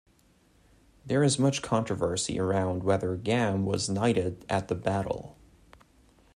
There is much controversy about whether Gam was knighted at the battle.